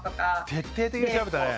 徹底的に調べたね。